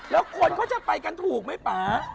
แล้วคนเขาไปกันถูกมั้ยป่า